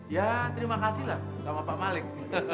ya terima kasih lah sama pak malik